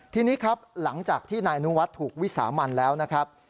ทีนี้ครับหลังจากที่นายอนุวัฒน์ถูกวิสามันแล้วนะครับ